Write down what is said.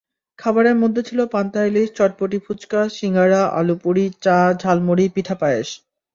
খাবারের মধ্যে ছিল পান্তা ইলিশ, চটপটি-ফুচকা, সিঙারা, আলুপুরি, চা, ঝাল মুড়ি, পিঠা-পায়েস।